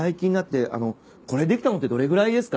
これできたのってどれぐらいですか？